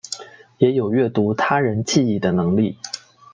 也有阅读他人记忆的能力。